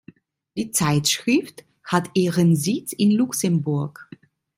Die Zeitschrift hat ihren Sitz in Luxemburg.